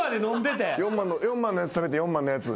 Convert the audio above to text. ４万のやつ食べて４万のやつ。